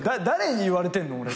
誰に言われてんの？